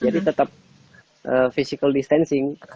jadi tetap physical distancing